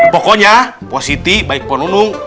pokoknya posisi baik ponung ponung